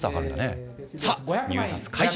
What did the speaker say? さあ入札開始！